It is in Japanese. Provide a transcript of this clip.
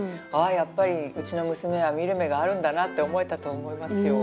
やっぱりうちの娘は見る目があるんだなって思えたと思いますよ